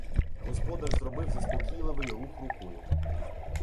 Господар зробив заспокійливий рух рукою.